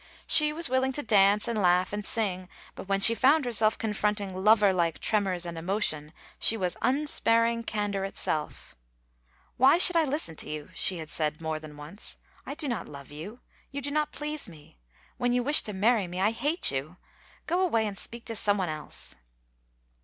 She was willing to dance and laugh and sing, but when she found herself confronting lover like tremors and emotion, she was unsparing candor itself. "Why should I listen to you?" she had said more than once. "I do not love you. You do not please me. When you wish to marry me, I hate you. Go away, and speak to some one else."